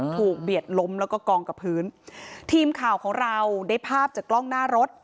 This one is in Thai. เบียดล้มแล้วก็กองกับพื้นทีมข่าวของเราได้ภาพจากกล้องหน้ารถ